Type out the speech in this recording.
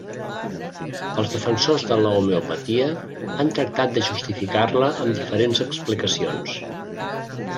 Els defensors de l'homeopatia han tractat de justificar-la amb diferents explicacions.